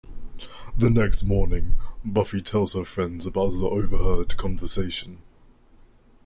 The next morning, Buffy tells her friends about the overheard conversation.